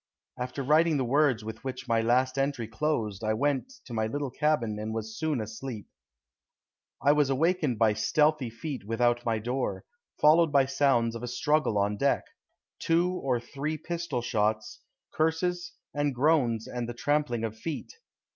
After writing the words with which my last entry closed I went to my little cabin and was soon asleep. I was awakened by stealthy feet without my door, followed by sounds of a struggle on deck, two or three pistol shots, curses and groans and the trampling of feet.